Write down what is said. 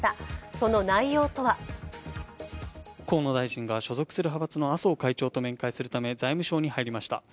その内容とは河野大臣が所属する派閥の麻生会長と面会するため財務省に入りました。